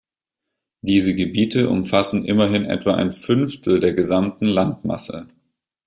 Diese Gebiete umfassen immerhin etwa ein Fünftel der gesamten Landmasse.